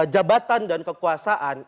jabatan dan kekuasaan